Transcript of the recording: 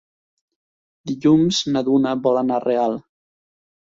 Dilluns na Duna vol anar a Real.